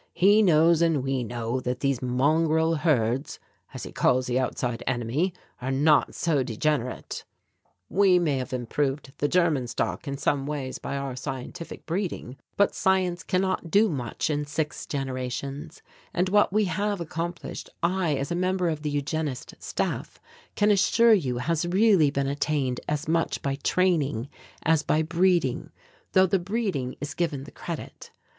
He knows and we know that these mongrel herds, as he calls the outside enemy, are not so degenerate. "We may have improved the German stock in some ways by our scientific breeding, but science cannot do much in six generations, and what we have accomplished, I as a member of the Eugenist Staff, can assure you has really been attained as much by training as by breeding, though the breeding is given the credit.